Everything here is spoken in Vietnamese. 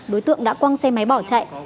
đối tượng đã quăng xe máy bỏ chạy